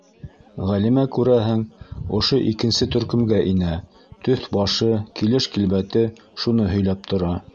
Ғәлимә, күрәһең, ошо икенсе төркөмгә инә: төҫ-башы, килеш-килбәте шуны һөйләп тора.